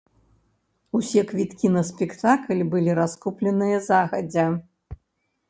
Усе квіткі на спектакль былі раскупленыя загадзя.